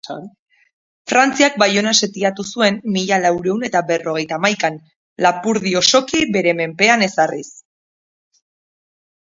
Frantziak Baiona setiatu zuen mila laurehun eta berrogeitahamaikan, Lapurdi osoki bere menpean ezarriz.